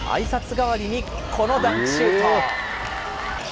代わりにこのダンクシュート。